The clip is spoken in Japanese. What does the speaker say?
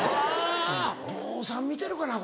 坊さん見てるかな？